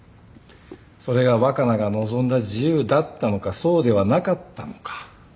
それが若菜が望んだ自由だったのかそうではなかったのか。